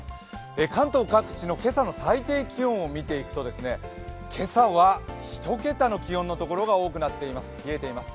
関東各地の今朝の最低気温を見ていくと、今朝は１桁の気温の所が多くなっています、冷えています。